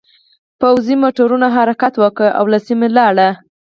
پوځي موټرونو حرکت وکړ او له سیمې لاړل